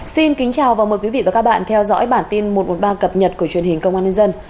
xin kính chào và mời quý vị và các bạn theo dõi bản tin một trăm một mươi ba cập nhật của truyền hình công an nhân dân